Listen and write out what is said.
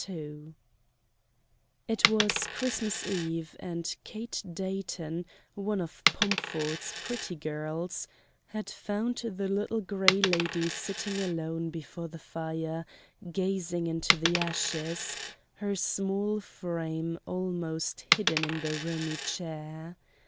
II It was Christmas Eve, and Kate Dayton, one of Pomford's pretty girls, had found the Little Gray Lady sitting alone before the fire gazing into the ashes, her small frame almost hidden in the roomy chair.